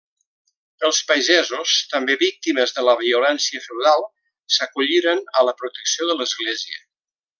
Els pagesos, també víctimes de la violència feudal, s'acolliren a la protecció de l'Església.